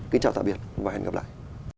xin chào tạm biệt và hẹn gặp lại